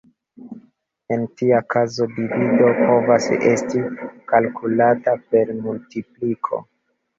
En tia kazo, divido povas esti kalkulata per multipliko.